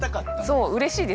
そううれしいです。